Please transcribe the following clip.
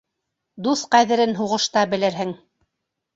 Дуҫ ҡәҙерен һуғышта белерһең.